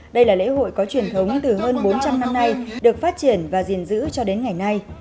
đây là lễ hội có truyền thống từ hơn bốn trăm linh năm nay được phát triển và gìn giữ cho đến ngày nay